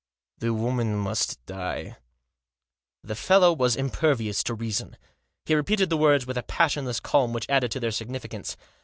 " The woman must die." The fellow was impervious to reason. He repeated the words with a passionless calm which added to their significance.